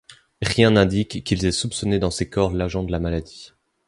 Rien n'indique qu'ils aient soupçonné dans ces corps l'agent de la maladie.